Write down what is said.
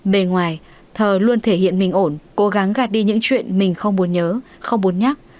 bề ngoài thờ luôn thể hiện mình ổn cố gắng gạt đi những chuyện mình không muốn nhớ không muốn nhắc